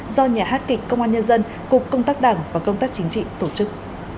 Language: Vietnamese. do nhà hát kịch công an nhân dân cục công tác đảng và công tác chính trị tổ chức